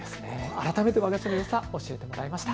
改めて和菓子のよさを教えてもらいました。